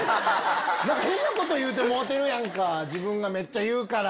変なこと言うてもうてるやんか自分がめっちゃ言うから。